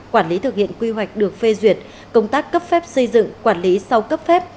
quản lý thực hiện quy hoạch được phê duyệt công tác cấp phép xây dựng quản lý sau cấp phép